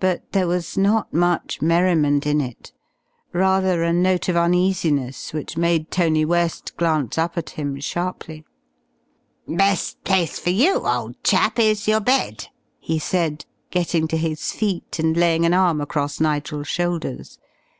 But there was not much merriment in it, rather a note of uneasiness which made Tony West glance up at him sharply. "Best place for you, old chap, is your bed," he said, getting to his feet and laying an arm across Nigel's shoulders.